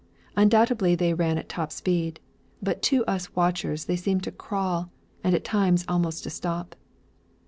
Undoubtedly they ran at top speed, but to us watchers they seemed to crawl, and at times almost to stop.